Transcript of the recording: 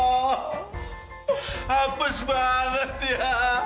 hapus banget ya